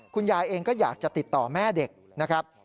คุณยายเองก็อยากจะติดต่อแม่เด็กนะครับ